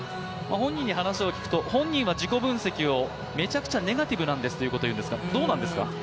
本人に話を聞くと、本人は自己分析を、めちゃくちゃネガティブだと言うんですが。